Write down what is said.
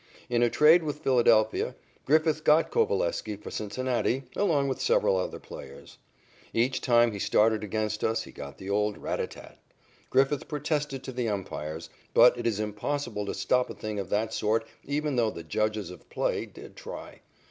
In a trade with Philadelphia, Griffith got Coveleski for Cincinnati along with several other players. Each game he started against us he got the old "rat a tat tat." Griffith protested to the umpires, but it is impossible to stop a thing of that sort even though the judges of play did try.